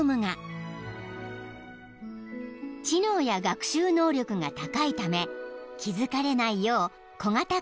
［知能や学習能力が高いため気付かれないよう小型カメラで撮影］